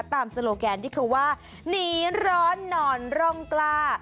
โซโลแกนที่เขาว่าหนีร้อนนอนร่องกล้า